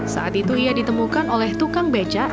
saat itu ia ditemukan oleh tukang becak